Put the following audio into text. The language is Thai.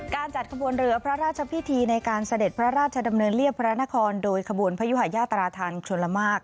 การจัดขบวนเรือพระราชพิธีในการเสด็จพระราชดำเนินเรียบพระนครโดยขบวนพระยุหายาตราธานชนละมาก